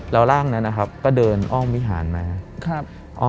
แล้วร่างนั้นนะครับก็เดินอ้อมวิหารมา